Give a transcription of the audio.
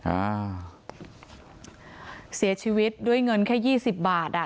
อ่าเสียชีวิตด้วยเงินแค่ยี่สิบบาทอ่ะ